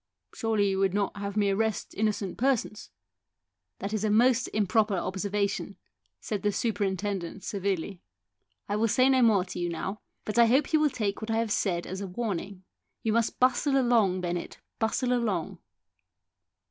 " Surely you would not have me arrest innocent persons ?" "That is a most improper observation," said the superintendent severely. " 1 will say no more to you now. But I hope you will take what I have said as a warning. You must bustle along, Bennett, bustle along."